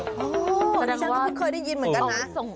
อ๋อนี่ฉันก็เคยได้ยินเหมือนกันนะ